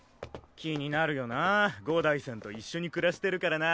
気になるよな五代さんと一緒に暮らしてるからな。